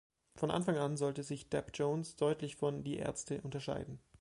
Von Anfang an sollte sich Depp Jones deutlich von Die Ärzte unterscheiden.